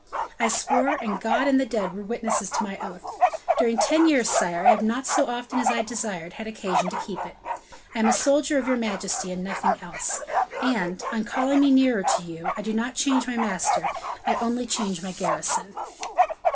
I swore, and God and the dead were witnesses to my oath. During ten years, sire, I have not so often as I desired had occasion to keep it. I am a soldier of your majesty, and nothing else; and, on calling me nearer to you, I do not change my master, I only change my garrison."